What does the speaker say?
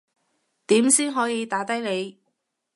點先可以打低你